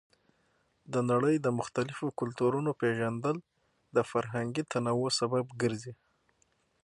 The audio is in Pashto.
د نړۍ د مختلفو کلتورونو پیژندل د فرهنګي تنوع سبب ګرځي.